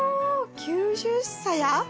９０さや？